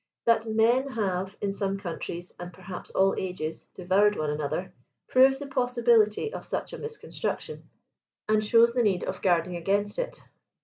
That men have, in some countries, and perhaps all ages, devoured one another, proves the possibility of such a misconstruction, and shows the need 12 134 * of guarding against it.